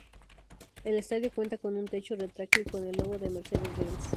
El estadio cuenta con un techo retráctil con el logo de Mercedes Benz.